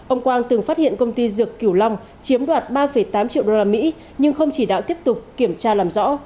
ông quang từng phát hiện công ty dược kiểu long chiếm đoạt ba tám triệu usd nhưng không chỉ đạo tiếp tục kiểm tra làm rõ